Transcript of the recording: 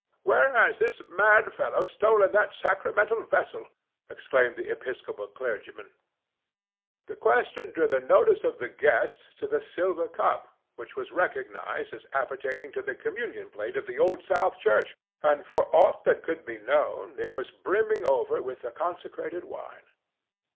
"Where has this mad fellow stolen that sacramental vessel?" exclaimed the Episcopal clergyman. This question drew the notice of the guests to the silver cup, which was recognized as appertaining to the communion plate of the Old South Church, and, for aught that could be known, it was brimming over with the consecrated wine.